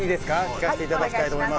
聞かせていただきたいと思います。